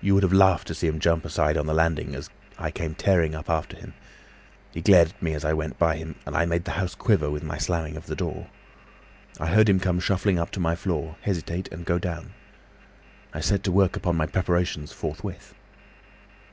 You would have laughed to see him jump aside on the landing as I came tearing after him. He glared at me as I went by him, and I made the house quiver with the slamming of my door. I heard him come shuffling up to my floor, hesitate, and go down. I set to work upon my preparations forthwith.